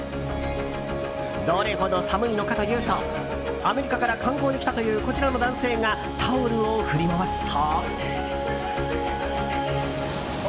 どれほど寒いのかというとアメリカから観光で来たというこちらの男性がタオルを振り回すと。